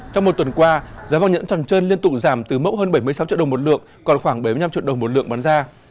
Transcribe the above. trong một tuần qua giá vàng nhẫn tròn trơn liên tục giảm từ mốc hơn bảy mươi sáu triệu đồng một lượng còn khoảng bảy mươi năm triệu đồng một lượng bán ra